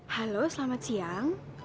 halo selamat siang